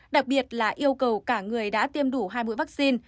đặc biệt là yêu cầu cả người đã tiêm đủ hai mũi vaccine